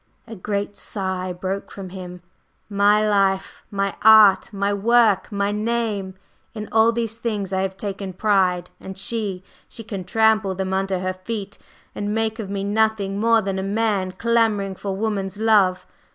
A great sigh broke from him. "My life my art my work my name! In all these things I have taken pride, and she she can trample them under her feet and make of me nothing more than man clamoring for woman's love!